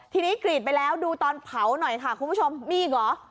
ทีนี้กรีดไปแล้วดูตอนเผาหน่อยค่ะคุณผู้ชมมีอีกเหรอ